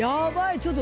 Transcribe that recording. ちょっと。